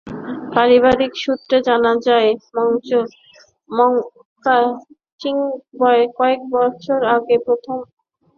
পারিবারিক সূত্রে জানা যায়, মংক্যচিং কয়েক বছর আগে প্রথম জন্ডিসে আক্রান্ত হন।